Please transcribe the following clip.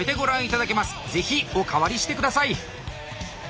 ぜひお代わりして下さい。